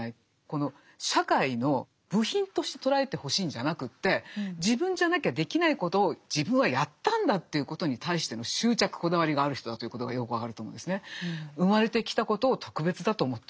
この社会の部品として捉えてほしいんじゃなくて自分じゃなきゃできないことを自分はやったんだということに対しての執着こだわりがある人だということがよく分かると思うんですね。